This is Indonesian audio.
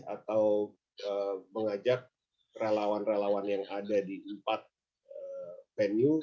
atau mengajak relawan relawan yang ada di empat venue